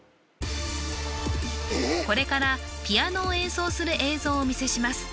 これからピアノを演奏する映像をお見せします